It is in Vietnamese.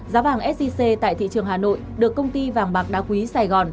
giá vàng sgc tại thị trường hà nội được công ty vàng bạc đá quý sài gòn